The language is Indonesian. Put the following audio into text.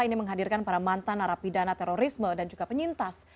ini menghadirkan para mantan narapidana terorisme dan juga penyintas